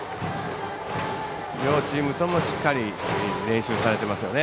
両チームともしっかり練習されてますよね。